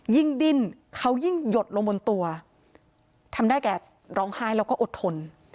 ยิ่งดิ้นเขายิ่งหยดลงบนตัวทำได้แก่ร้องไห้แล้วก็อดทน